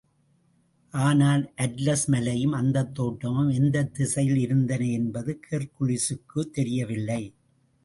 ஆனால், அட்லஸ் மலையும் அந்தத் தோட்டமும் எந்தத் திசையில் இருந்தன என்பது ஹெர்க்குலிஸுக்குத் தெரியவில்லை.